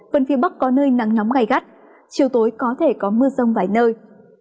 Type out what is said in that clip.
phần phía bắc có nơi nắng nóng gai gắt chiều tối có thể có mưa rông vài nơi